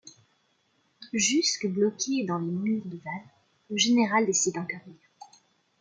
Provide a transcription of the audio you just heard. Jusqu’alors bloqué dans les murs de Vannes, le général décide d’intervenir.